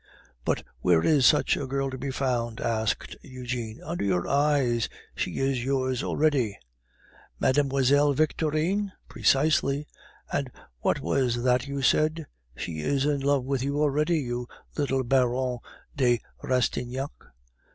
"But where is such a girl to be found?" asked Eugene. "Under your eyes; she is yours already." "Mlle. Victorine?" "Precisely." "And what was that you said?" "She is in love with you already, your little Baronne de Rastignac!"